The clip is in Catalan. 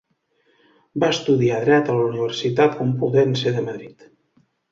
Va estudiar dret a la Universitat Complutense de Madrid.